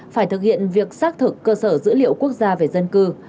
phải thực hiện việc xác thực cơ sở dữ liệu quốc gia về dân cư